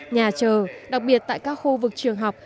nhà chờ đặc biệt tại các khu vực trường học